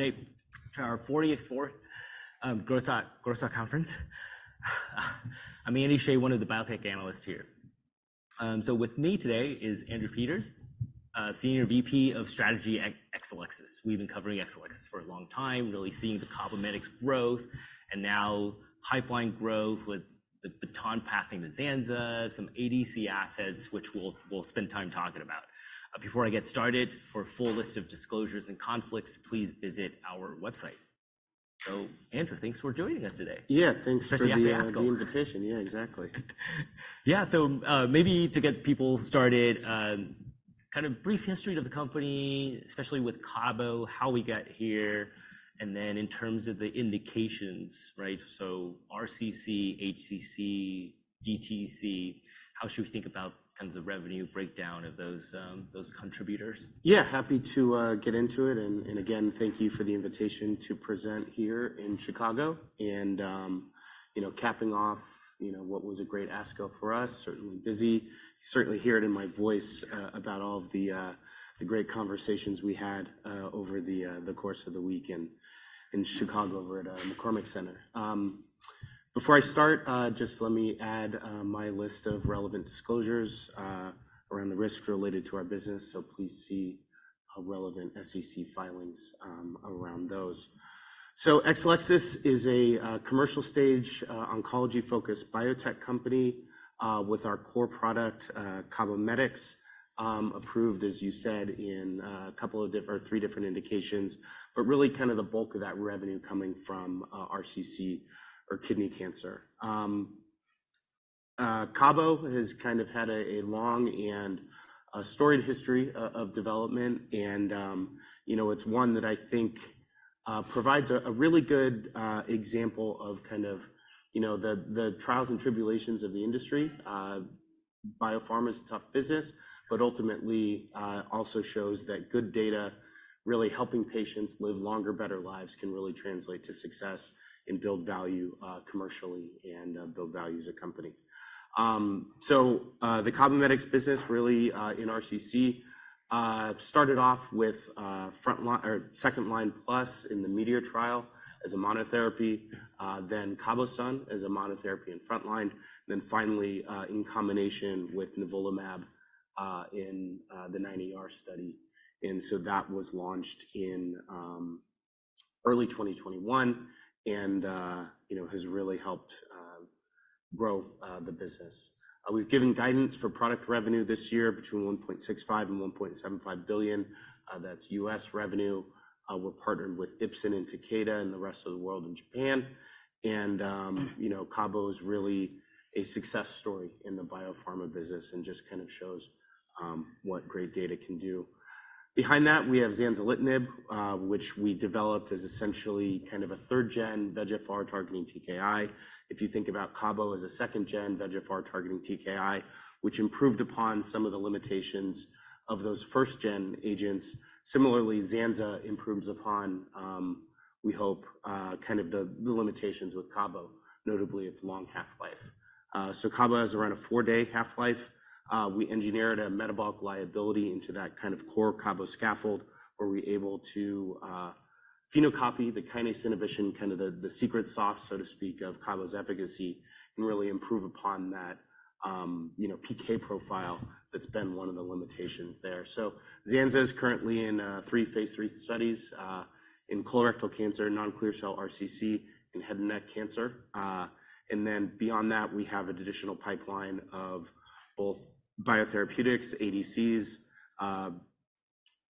Today, our 44th Growth Stock Conference. I'm Andy Hsieh, one of the biotech analysts here. So with me today is Andrew Peters, Senior Vice President of Strategy at Exelixis. We've been covering Exelixis for a long time, really seeing the complementary growth and now pipeline growth with the baton passing to Zanza, some ADC assets, which we'll spend time talking about. Before I get started, for a full list of disclosures and conflicts, please visit our website. So Andrew, thanks for joining us today. Yeah, thanks for the invitation. Yeah, exactly. Yeah, so maybe to get people started, kind of brief history of the company, especially with Cabo, how we got here, and then in terms of the indications, right? So RCC, HCC, DTC, how should we think about kind of the revenue breakdown of those contributors? Yeah, happy to get into it. Again, thank you for the invitation to present here in Chicago. Capping off what was a great ASCO for us, certainly busy, certainly hear it in my voice about all of the great conversations we had over the course of the week in Chicago over at McCormick Place. Before I start, just let me add my list of relevant disclosures around the risks related to our business. Please see relevant SEC filings around those. Exelixis is a commercial stage oncology-focused biotech company with our core product, CABOMETYX, approved, as you said, in a couple of different or three different indications, but really kind of the bulk of that revenue coming from RCC or kidney cancer. Cabo has kind of had a long and storied history of development, and it's one that I think provides a really good example of kind of the trials and tribulations of the industry. Biopharma is a tough business, but ultimately also shows that good data really helping patients live longer, better lives can really translate to success and build value commercially and build value as a company. So the CABOMETYX business really in RCC started off with second line plus in the METEOR trial as a monotherapy, then CABOSUN as a monotherapy and front line, and then finally in combination with nivolumab in the CheckMate 9ER study. And so that was launched in early 2021 and has really helped grow the business. We've given guidance for product revenue this year between $1.65 billion and $1.75 billion. That's U.S. revenue. We're partnered with Ipsen and Takeda and the rest of the world in Japan. Cabo is really a success story in the biopharma business and just kind of shows what great data can do. Behind that, we have zanzalitinib, which we developed as essentially kind of a third-gen VEGFR targeting TKI. If you think about Cabo as a second-gen VEGFR targeting TKI, which improved upon some of the limitations of those first-gen agents. Similarly, Zanza improves upon, we hope, kind of the limitations with Cabo, notably its long half-life. So Cabo has around a four-day half-life. We engineered a metabolic liability into that kind of core Cabo scaffold where we're able to phenocopy the kinase inhibition, kind of the secret sauce, so to speak, of Cabo's efficacy and really improve upon that PK profile that's been one of the limitations there. So Zanza is currently in three phase three studies in colorectal cancer, non-clear cell RCC, and head and neck cancer. And then beyond that, we have an additional pipeline of both biotherapeutics, ADCs,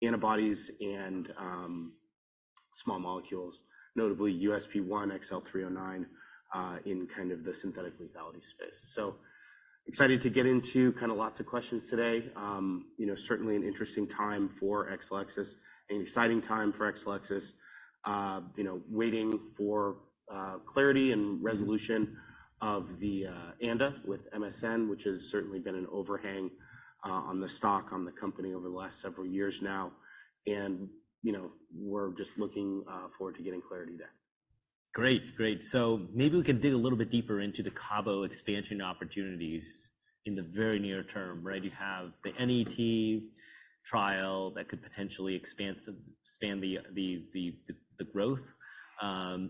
antibodies, and small molecules, notably USP1, XL309, in kind of the synthetic lethality space. So excited to get into kind of lots of questions today. Certainly an interesting time for Exelixis, an exciting time for Exelixis, waiting for clarity and resolution of the ANDA with MSN, which has certainly been an overhang on the stock on the company over the last several years now. And we're just looking forward to getting clarity there. Great, great. So maybe we can dig a little bit deeper into the Cabo expansion opportunities in the very near term, right? You have the NET trial that could potentially expand the growth,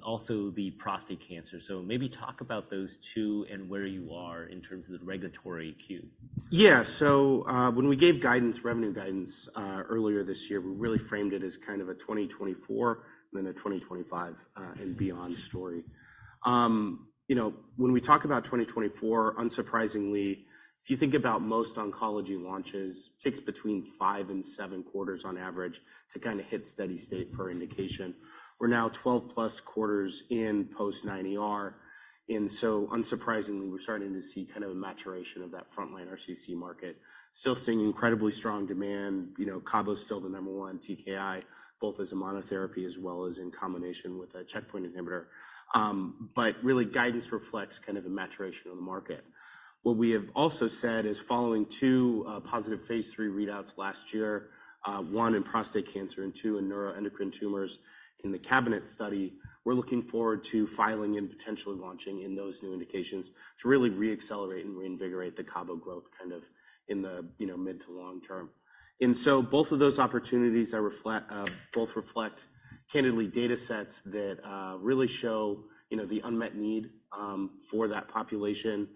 also the prostate cancer. So maybe talk about those two and where you are in terms of the regulatory queue. Yeah, so when we gave guidance, revenue guidance earlier this year, we really framed it as kind of a 2024 and then a 2025 and beyond story. When we talk about 2024, unsurprisingly, if you think about most oncology launches, it takes between 5-7 quarters on average to kind of hit steady state per indication. We're now 12+ quarters in post-9ER. And so unsurprisingly, we're starting to see kind of a maturation of that frontline RCC market. Still seeing incredibly strong demand. Cabo is still the number one TKI, both as a monotherapy as well as in combination with a checkpoint inhibitor. But really, guidance reflects kind of the maturation of the market. What we have also said is following two positive Phase 3 readouts last year, one in prostate cancer and two in neuroendocrine tumors in the CABINET study, we're looking forward to filing and potentially launching in those new indications to really re-accelerate and reinvigorate the Cabo growth kind of in the mid- to long-term. And so both of those opportunities both reflect candidly data sets that really show the unmet need for that population,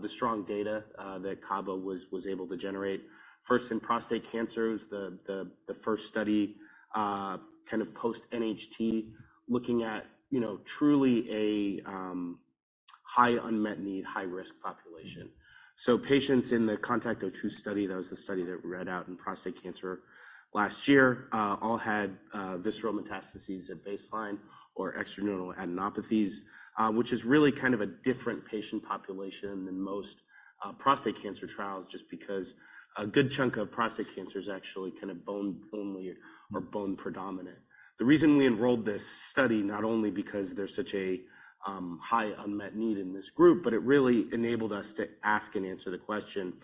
the strong data that Cabo was able to generate. First in prostate cancer is the first study kind of post-NHT looking at truly a high unmet need, high-risk population. Patients in the CONTACT-02 study, that was the study that we read out in prostate cancer last year, all had visceral metastases at baseline or extranodal adenopathies, which is really kind of a different patient population than most prostate cancer trials just because a good chunk of prostate cancer is actually kind of bone-only or bone-predominant. The reason we enrolled this study, not only because there's such a high unmet need in this group, but it really enabled us to ask and answer the question,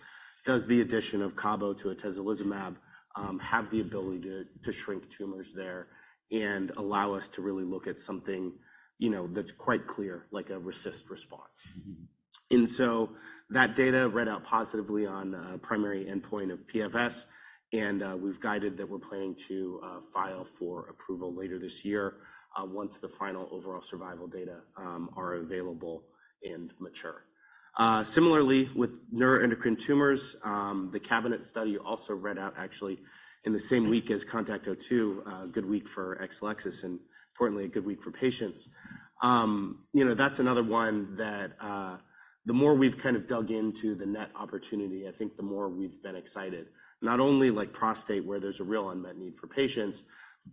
does the addition of Cabo to atezolizumab have the ability to shrink tumors there and allow us to really look at something that's quite clear, like a RECIST response? And so that data read out positively on primary endpoint of PFS, and we've guided that we're planning to file for approval later this year once the final overall survival data are available and mature. Similarly, with neuroendocrine tumors, the CABINET study also read out actually in the same week as CONTACT-02, a good week for Exelixis and importantly, a good week for patients. That's another one that the more we've kind of dug into the NET opportunity, I think the more we've been excited, not only like prostate where there's a real unmet need for patients,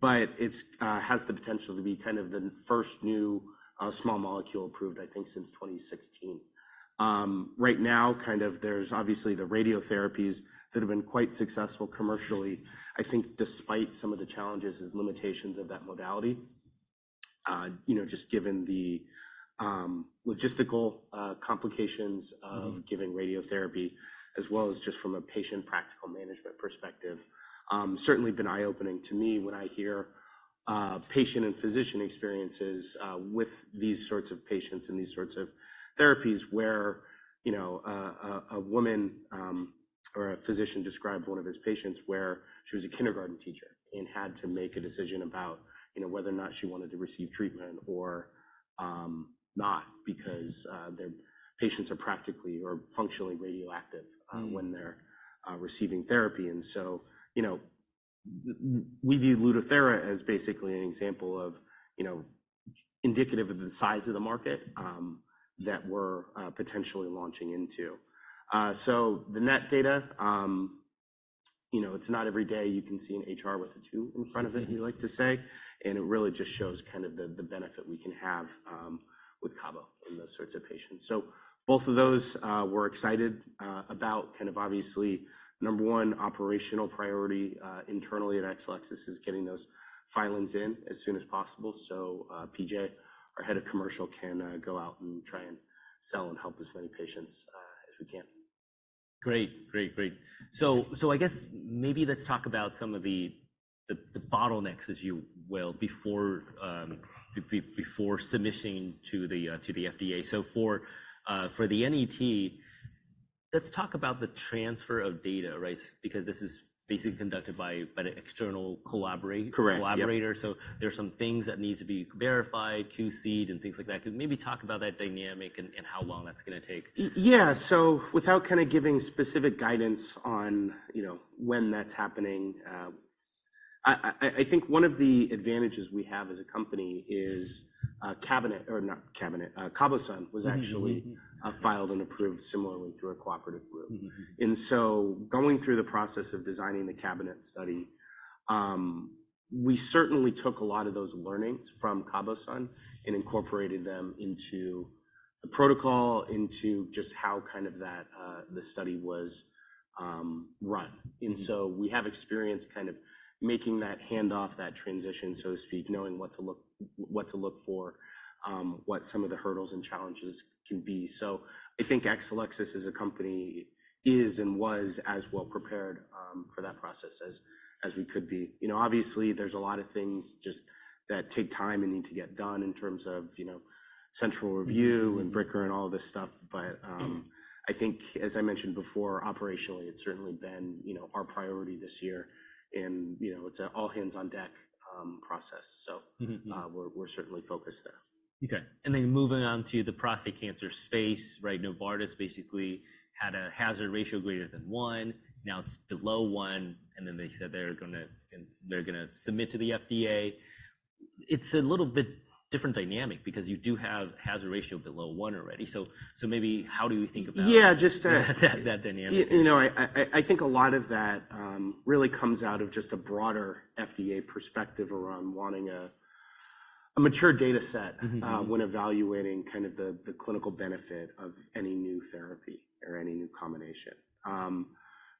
but it has the potential to be kind of the first new small molecule approved, I think, since 2016. Right now, kind of there's obviously the radiotherapies that have been quite successful commercially, I think despite some of the challenges as limitations of that modality, just given the logistical complications of giving radiotherapy, as well as just from a patient practical management perspective. Certainly been eye-opening to me when I hear patient and physician experiences with these sorts of patients and these sorts of therapies where a woman or a physician described one of his patients where she was a kindergarten teacher and had to make a decision about whether or not she wanted to receive treatment or not because their patients are practically or functionally radioactive when they're receiving therapy. And so we view LUTATHERA as basically an example of indicative of the size of the market that we're potentially launching into. So the NET data, it's not every day you can see an HR with a 2 in front of it, we like to say, and it really just shows kind of the benefit we can have with Cabo and those sorts of patients. So both of those we're excited about. Kind of obviously, number one, operational priority internally at Exelixis is getting those filings in as soon as possible so P.J., our head of commercial, can go out and try and sell and help as many patients as we can. Great, great, great. So I guess maybe let's talk about some of the bottlenecks, as you will, before submission to the FDA. So for the NET, let's talk about the transfer of data, right? Because this is basically conducted by an external collaborator. So there are some things that need to be verified, QC'd, and things like that. Could maybe talk about that dynamic and how long that's going to take? Yeah, so without kind of giving specific guidance on when that's happening, I think one of the advantages we have as a company is CABINET or not CABINET, CABOSUN was actually filed and approved similarly through a cooperative group. And so going through the process of designing the CABINET study, we certainly took a lot of those learnings from CABOSUN and incorporated them into the protocol, into just how kind of the study was run. And so we have experience kind of making that handoff, that transition, so to speak, knowing what to look for, what some of the hurdles and challenges can be. So I think Exelixis as a company is and was as well prepared for that process as we could be. Obviously, there's a lot of things just that take time and need to get done in terms of central review and BICR and all of this stuff. But I think, as I mentioned before, operationally, it's certainly been our priority this year. And it's an all hands on deck process. So we're certainly focused there. Okay. And then moving on to the prostate cancer space, right? Novartis basically had a hazard ratio greater than one. Now it's below one, and then they said they're going to submit to the FDA. It's a little bit different dynamic because you do have hazard ratio below one already. So maybe how do we think about that dynamic? Yeah, just I think a lot of that really comes out of just a broader FDA perspective around wanting a mature data set when evaluating kind of the clinical benefit of any new therapy or any new combination.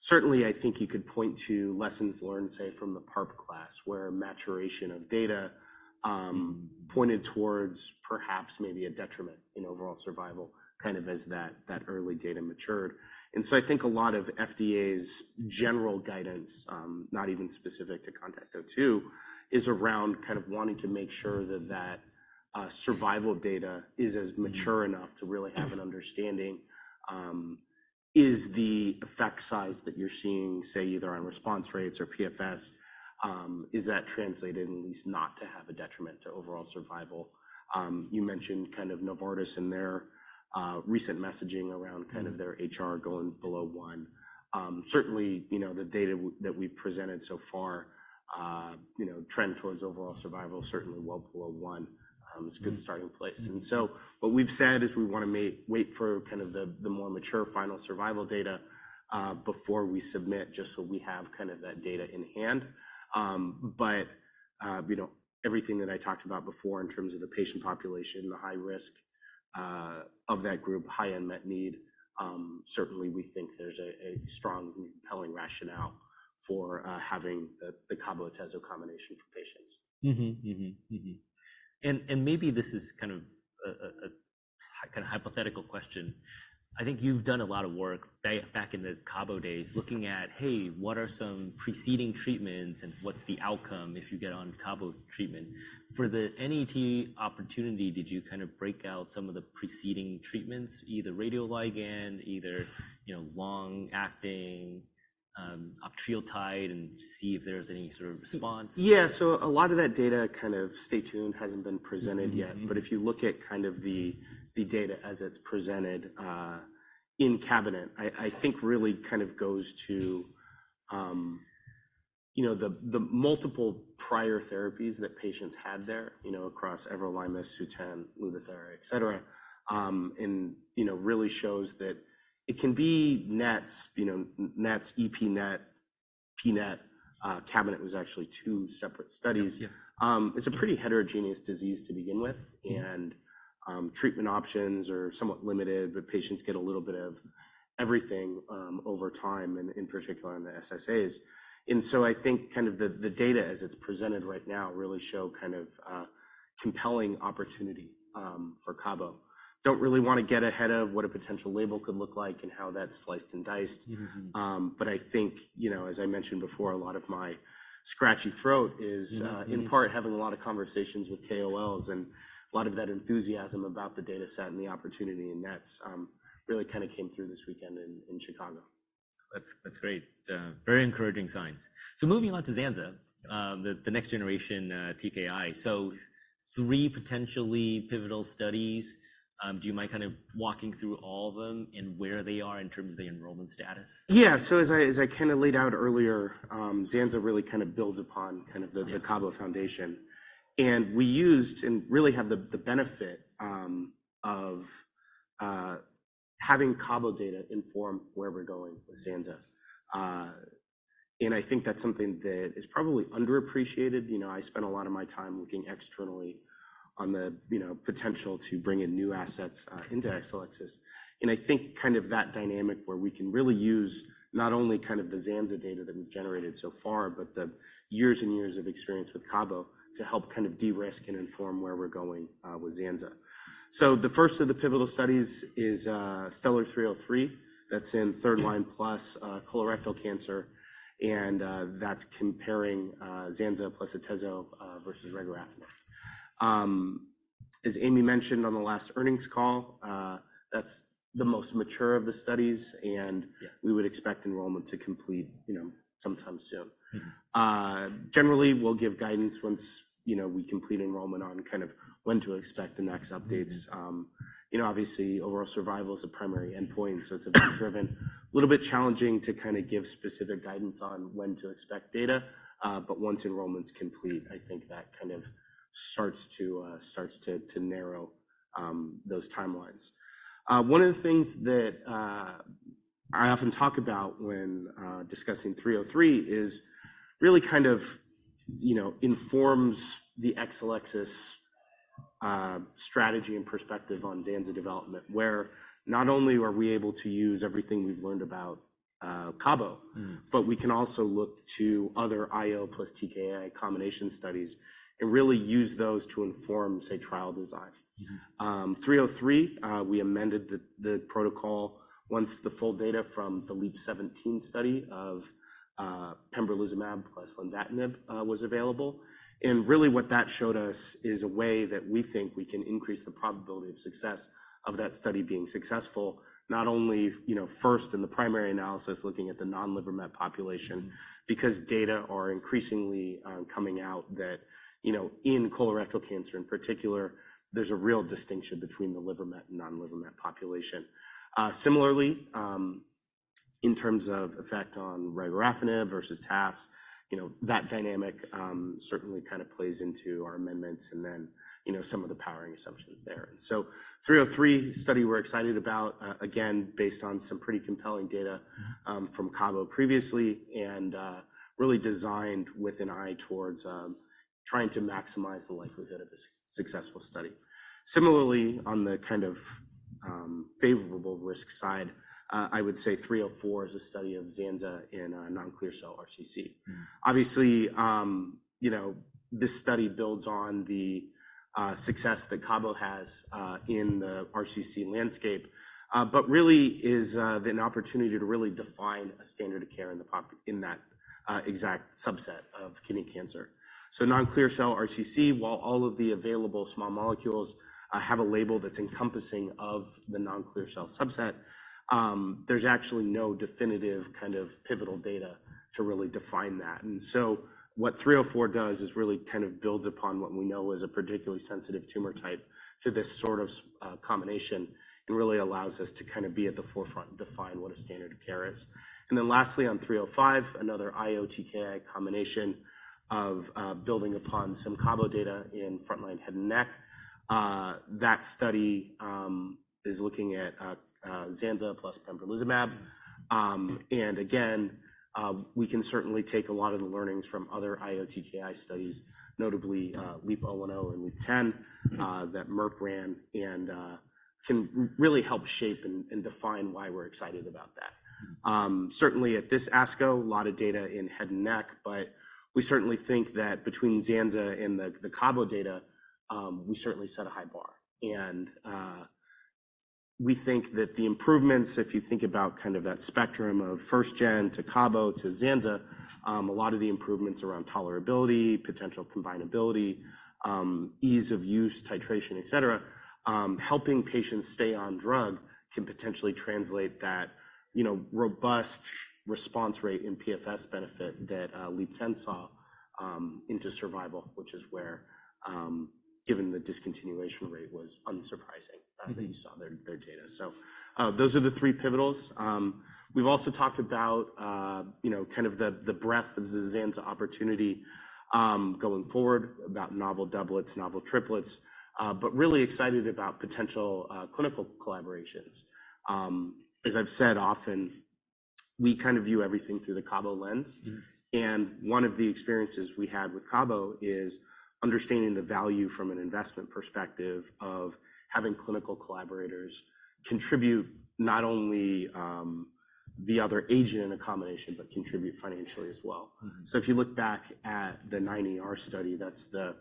Certainly, I think you could point to lessons learned, say, from the PARP class where maturation of data pointed towards perhaps maybe a detriment in overall survival kind of as that early data matured. And so I think a lot of FDA's general guidance, not even specific to CONTACT-02, is around kind of wanting to make sure that that survival data is as mature enough to really have an understanding. Is the effect size that you're seeing, say, either on response rates or PFS, is that translated in at least not to have a detriment to overall survival? You mentioned kind of Novartis in their recent messaging around kind of their HR going below one. Certainly, the data that we've presented so far, trend towards overall survival, certainly well below one is a good starting place. And so what we've said is we want to wait for kind of the more mature final survival data before we submit just so we have kind of that data in hand. But everything that I talked about before in terms of the patient population, the high risk of that group, high unmet need, certainly we think there's a strong compelling rationale for having the Cabo-Atezo combination for patients. And maybe this is kind of a hypothetical question. I think you've done a lot of work back in the Cabo days looking at, hey, what are some preceding treatments and what's the outcome if you get on Cabo treatment? For the NET opportunity, did you kind of break out some of the preceding treatments, either radioligand, either long-acting octreotide, and see if there's any sort of response? Yeah, so a lot of that data kind of stay tuned hasn't been presented yet. But if you look at kind of the data as it's presented in CABINET, I think really kind of goes to the multiple prior therapies that patients had there across everolimus, SUTENT, LUTATHERA, etc., and really shows that it can be NETs, NETs, epNET, pNET. CABINET was actually two separate studies. It's a pretty heterogeneous disease to begin with, and treatment options are somewhat limited, but patients get a little bit of everything over time, in particular in the SSAs. And so I think kind of the data as it's presented right now really show kind of compelling opportunity for Cabo. Don't really want to get ahead of what a potential label could look like and how that's sliced and diced. I think, as I mentioned before, a lot of my scratchy throat is in part having a lot of conversations with KOLs and a lot of that enthusiasm about the data set and the opportunity in NETs really kind of came through this weekend in Chicago. That's great. Very encouraging signs. So moving on to Zanza, the next generation TKI. So three potentially pivotal studies. Do you mind kind of walking through all of them and where they are in terms of the enrollment status? Yeah, so as I kind of laid out earlier, Zanza really kind of builds upon kind of the Cabo foundation. We used and really have the benefit of having Cabo data inform where we're going with Zanza. I think that's something that is probably underappreciated. I spent a lot of my time looking externally on the potential to bring in new assets into Exelixis. I think kind of that dynamic where we can really use not only kind of the Zanza data that we've generated so far, but the years and years of experience with Cabo to help kind of de-risk and inform where we're going with Zanza. So the first of the pivotal studies is STELLAR-303. That's in third line plus colorectal cancer. That's comparing Zanza plus Atezo versus regorafenib. As Amy mentioned on the last earnings call, that's the most mature of the studies, and we would expect enrollment to complete sometime soon. Generally, we'll give guidance once we complete enrollment on kind of when to expect the next updates. Obviously, overall survival is a primary endpoint, so it's event-driven. A little bit challenging to kind of give specific guidance on when to expect data, but once enrollments complete, I think that kind of starts to narrow those timelines. One of the things that I often talk about when discussing 303 is really kind of informs the Exelixis strategy and perspective on Zanza development, where not only are we able to use everything we've learned about Cabo, but we can also look to other IO plus TKI combination studies and really use those to inform, say, trial design. 303, we amended the protocol once the full data from the LEAP-017 study of pembrolizumab plus lenvatinib was available. Really what that showed us is a way that we think we can increase the probability of success of that study being successful, not only first in the primary analysis looking at the non-liver met population, because data are increasingly coming out that in colorectal cancer in particular, there's a real distinction between the liver met and non-liver met population. Similarly, in terms of effect on regorafenib versus TAS, that dynamic certainly kind of plays into our amendments and then some of the powering assumptions there. So 303 study we're excited about, again, based on some pretty compelling data from Cabo previously and really designed with an eye towards trying to maximize the likelihood of a successful study. Similarly, on the kind of favorable risk side, I would say 304 is a study of zanzalitinib in non-clear cell RCC. Obviously, this study builds on the success that Cabo has in the RCC landscape, but really is an opportunity to really define a standard of care in that exact subset of kidney cancer. So non-clear cell RCC, while all of the available small molecules have a label that's encompassing of the non-clear cell subset, there's actually no definitive kind of pivotal data to really define that. And so what 304 does is really kind of builds upon what we know is a particularly sensitive tumor type to this sort of combination and really allows us to kind of be at the forefront and define what a standard of care is. And then lastly, on 305, another IO-TKI combination of building upon some Cabo data in frontline head and neck. That study is looking at Zanza plus pembrolizumab. And again, we can certainly take a lot of the learnings from other IO-TKI studies, notably LEAP-010 and LEAP-010 that Merck ran and can really help shape and define why we're excited about that. Certainly at this ASCO, a lot of data in head and neck, but we certainly think that between Zanza and the Cabo data, we certainly set a high bar. And we think that the improvements, if you think about kind of that spectrum of first gen to Cabo to Zanza, a lot of the improvements around tolerability, potential combinability, ease of use, titration, etc., helping patients stay on drug can potentially translate that robust response rate and PFS benefit that LEAP-010 saw into survival, which is, given the discontinuation rate, unsurprising that you saw their data. So those are the three pivotals. We've also talked about kind of the breadth of the Zanza opportunity going forward, about novel doublets, novel triplets, but really excited about potential clinical collaborations. As I've said often, we kind of view everything through the Cabo lens. One of the experiences we had with Cabo is understanding the value from an investment perspective of having clinical collaborators contribute not only the other agent in a combination, but contribute financially as well. If you look back at the 9ER study, that's the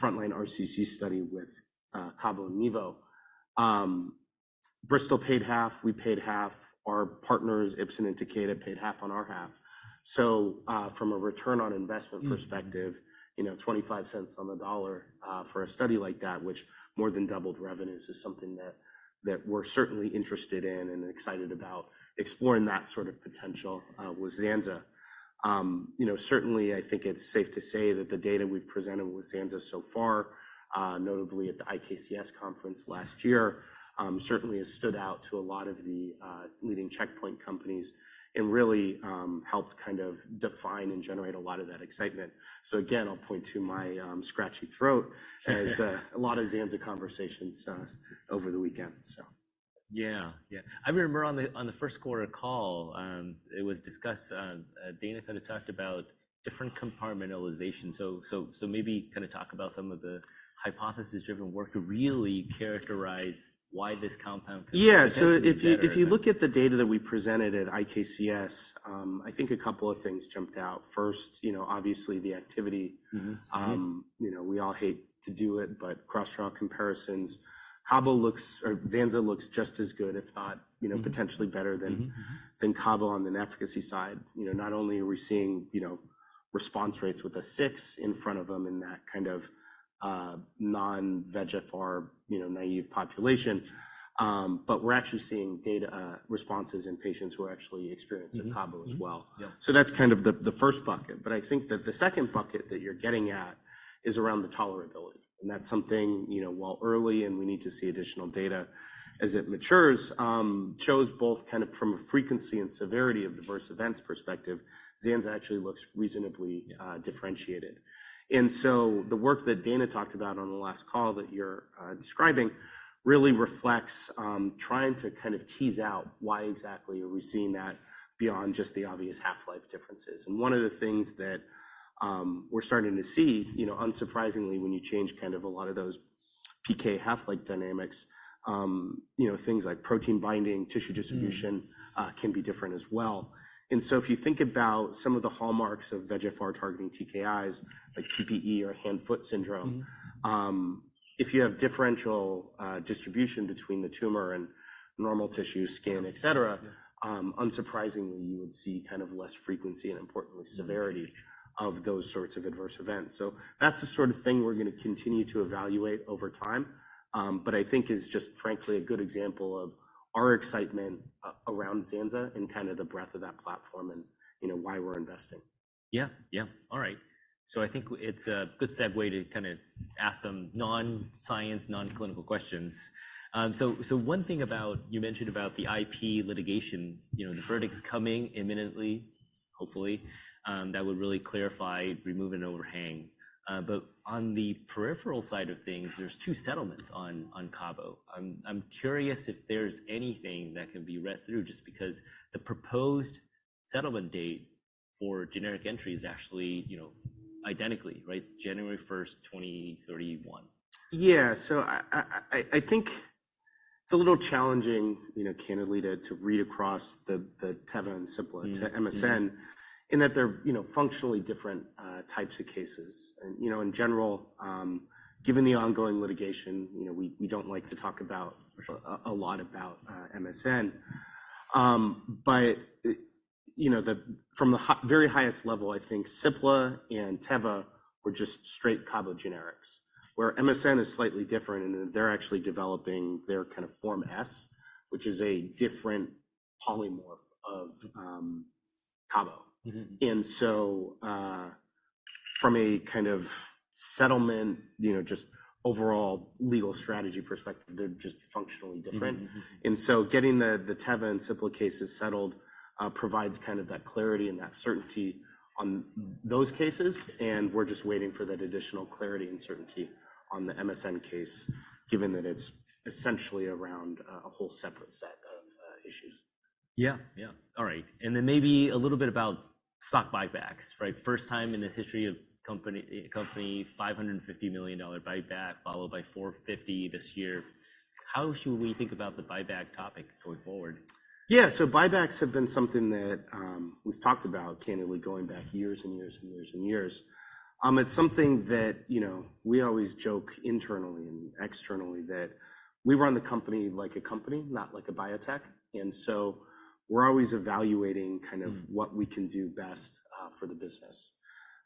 frontline RCC study with Cabo and Nivo. Bristol paid half, we paid half, our partners, Ipsen and Takeda, paid half on our half. From a return on investment perspective, 25 cents on the dollar for a study like that, which more than doubled revenues, is something that we're certainly interested in and excited about exploring that sort of potential with Zanza. Certainly, I think it's safe to say that the data we've presented with Zanza so far, notably at the IKCS conference last year, certainly has stood out to a lot of the leading checkpoint companies and really helped kind of define and generate a lot of that excitement. So again, I'll point to my scratchy throat as a lot of Zanza conversations over the weekend, so. Yeah. Yeah. I remember on the first quarter call, it was discussed, Dana kind of talked about different compartmentalization. So maybe kind of talk about some of the hypothesis-driven work to really characterize why this compound could be used. Yeah. So if you look at the data that we presented at IKCS, I think a couple of things jumped out. First, obviously the activity. We all hate to do it, but cross-trial comparisons, Cabo looks or Zanza looks just as good, if not potentially better than Cabo on the efficacy side. Not only are we seeing response rates with a six in front of them in that kind of non-VEGFR or naive population, but we're actually seeing durable responses in patients who are actually Cabo-experienced as well. So that's kind of the first bucket. But I think that the second bucket that you're getting at is around the tolerability. And that's something, while early and we need to see additional data as it matures, shows both kind of from a frequency and severity of adverse events perspective, Zanza actually looks reasonably differentiated. And so the work that Dana talked about on the last call that you're describing really reflects trying to kind of tease out why exactly are we seeing that beyond just the obvious half-life differences. And one of the things that we're starting to see, unsurprisingly, when you change kind of a lot of those PK half-life dynamics, things like protein binding, tissue distribution can be different as well. And so if you think about some of the hallmarks of VEGFR targeting TKIs like PPE or hand-foot syndrome, if you have differential distribution between the tumor and normal tissue, skin, etc., unsurprisingly, you would see kind of less frequency and importantly severity of those sorts of adverse events. So that's the sort of thing we're going to continue to evaluate over time, but I think is just frankly a good example of our excitement around Zanza and kind of the breadth of that platform and why we're investing. Yeah. Yeah. All right. So I think it's a good segue to kind of ask some non-science, non-clinical questions. So one thing about you mentioned about the IP litigation, the verdict's coming imminently, hopefully. That would really clarify, remove an overhang. But on the peripheral side of things, there's 2 settlements on Cabo. I'm curious if there's anything that can be read through just because the proposed settlement date for generic entry is actually identically, right? January 1st, 2031. Yeah. So I think it's a little challenging, candidly, to read across the Teva Cipla to MSN in that they're functionally different types of cases. And in general, given the ongoing litigation, we don't like to talk about a lot about MSN. But from the very highest level, I think Cipla and Teva were just straight Cabo generics, where MSN is slightly different and they're actually developing their kind of Form S, which is a different polymorph of Cabo. And so from a kind of settlement, just overall legal strategy perspective, they're just functionally different. And so getting the Teva and Cipla cases settled provides kind of that clarity and that certainty on those cases. And we're just waiting for that additional clarity and certainty on the MSN case, given that it's essentially around a whole separate set of issues. Yeah. Yeah. All right. And then maybe a little bit about stock buybacks, right? First time in the history of company, $550 million buyback, followed by $450 this year. How should we think about the buyback topic going forward? Yeah. So buybacks have been something that we've talked about, candidly, going back years and years and years and years. It's something that we always joke internally and externally that we run the company like a company, not like a biotech. And so we're always evaluating kind of what we can do best for the business.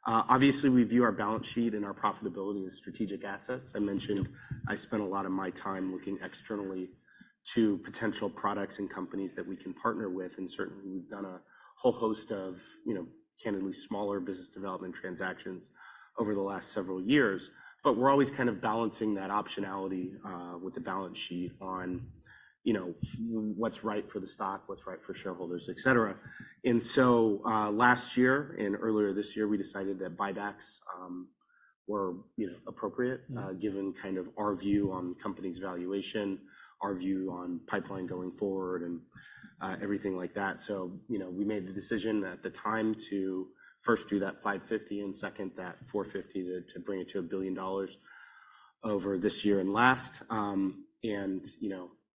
Obviously, we view our balance sheet and our profitability as strategic assets. I mentioned I spent a lot of my time looking externally to potential products and companies that we can partner with. And certainly, we've done a whole host of, candidly, smaller business development transactions over the last several years. But we're always kind of balancing that optionality with the balance sheet on what's right for the stock, what's right for shareholders, etc. So last year and earlier this year, we decided that buybacks were appropriate given kind of our view on the company's valuation, our view on pipeline going forward, and everything like that. So we made the decision at the time to first do that $550 million and second that $450 million to bring it to $1 billion over this year and last. I'm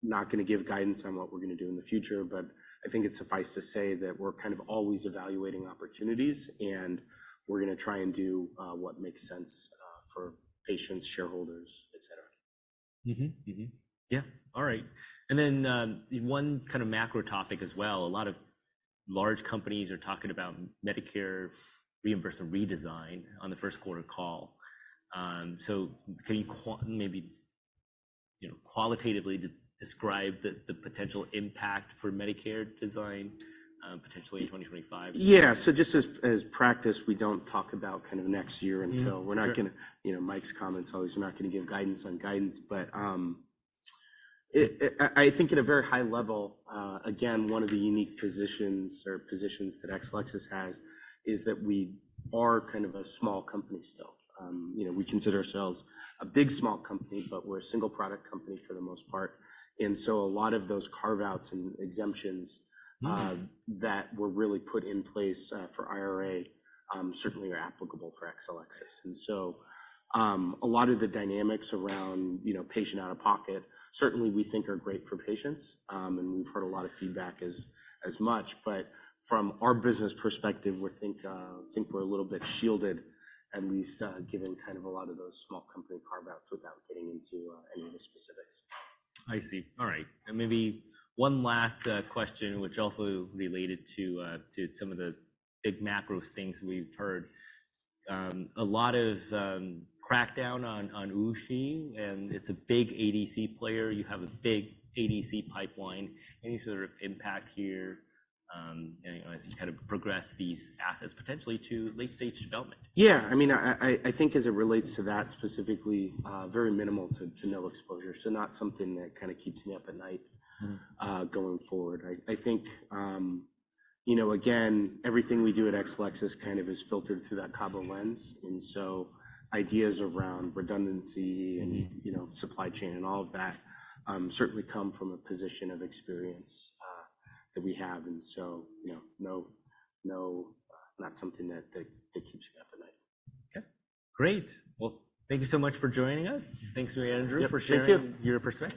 not going to give guidance on what we're going to do in the future, but I think it suffices to say that we're kind of always evaluating opportunities and we're going to try and do what makes sense for patients, shareholders, etc. Yeah. All right. And then one kind of macro topic as well. A lot of large companies are talking about Medicare reimbursement redesign on the first quarter call. So can you maybe qualitatively describe the potential impact for Medicare redesign, potentially in 2025? Yeah. So just as practice, we don't talk about kind of next year until we're not going to Mike's comments always, we're not going to give guidance on guidance. But I think at a very high level, again, one of the unique positions or positions that Exelixis has is that we are kind of a small company still. We consider ourselves a big small company, but we're a single product company for the most part. And so a lot of those carve-outs and exemptions that were really put in place for IRA certainly are applicable for Exelixis. And so a lot of the dynamics around patient out of pocket, certainly we think are great for patients. And we've heard a lot of feedback as much. But from our business perspective, we think we're a little bit shielded, at least given kind of a lot of those small company carve-outs without getting into any of the specifics. I see. All right. And maybe one last question, which also related to some of the big macro things we've heard. A lot of crackdown on WuXi, and it's a big ADC player. You have a big ADC pipeline. Any sort of impact here as you kind of progress these assets potentially to late-stage development? Yeah. I mean, I think as it relates to that specifically, very minimal to no exposure. So not something that kind of keeps me up at night going forward. I think, again, everything we do at Exelixis kind of is filtered through that Cabo lens. And so ideas around redundancy and supply chain and all of that certainly come from a position of experience that we have. And so no, not something that keeps me up at night. Okay. Great. Well, thank you so much for joining us. Thanks, Andrew. Yep. Thank you. For sharing your perspective.